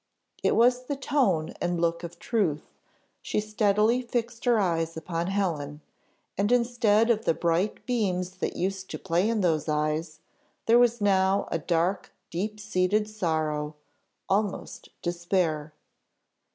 It was the tone and look of truth she steadily fixed her eyes upon Helen and instead of the bright beams that used to play in those eyes, there was now a dark deep seated sorrow, almost despair.